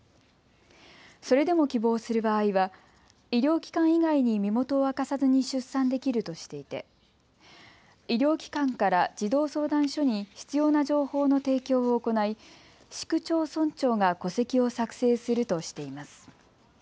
それでも希望する場合は医療機関以外に身元を明かさずに出産できるとしていて医療機関から児童相談所に必要な情報の提供を行い市区町村長が戸籍を作成するとしています。